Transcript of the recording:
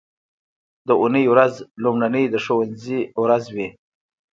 د اونۍ ورځ لومړنۍ د ښوونځي ورځ وي